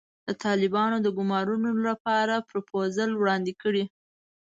د طالبانو د ګومارلو لپاره پروفوزل وړاندې کړي.